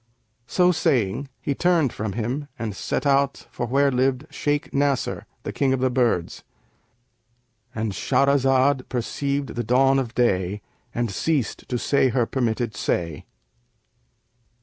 So saying, he turned from him and set out for where lived Shaykh Nasr, the King of the Birds."—And Shahrazad perceived the dawn of day and ceased to say her permitted say.